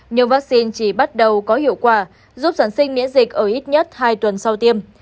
nhưng vaccine chỉ bắt đầu có hiệu quả giúp sản sinh miễn dịch ở ít nhất hai tuần sau tiêm